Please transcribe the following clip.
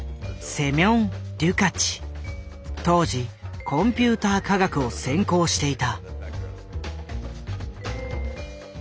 当時コンピューター科学を専攻していた。